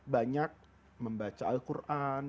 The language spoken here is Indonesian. banyak membaca al quran